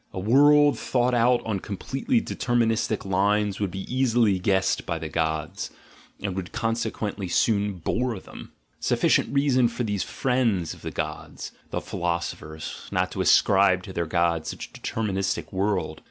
A world thought out on com pletely deterministic lines would be easily guessed by the gods, and would consequently soon bore them — sufficient reason for these friends of the gods, the philosophers, not to ascribe to their gods such a deterministic world.